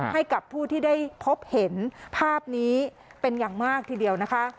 ให้กับผู้ที่ได้พบเห็นภาพนี้เป็นอย่างมากทีเดียวนะคะ